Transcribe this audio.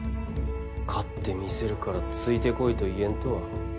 「勝ってみせるからついてこい」と言えんとは。